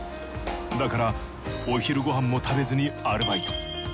だからお昼ごはんも食べずにアルバイト。